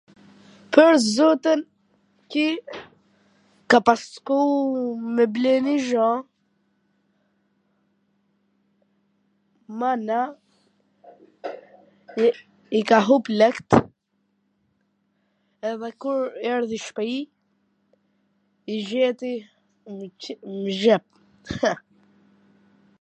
pwr zotin, ki ka pas shku me ble nonj gja, mana i ka hup lekt edhe kur erdhi n shpi i gjeti n xhep, hw